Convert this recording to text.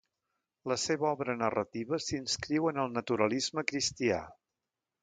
La seva obra narrativa s'inscriu en el naturalisme cristià.